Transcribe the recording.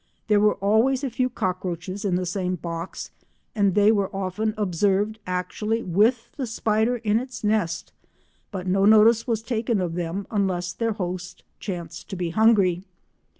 There were always a few cockroaches in the same box, and they were often observed actually with the spider in its nest, but no notice was taken of them unless their host chanced to be hungry.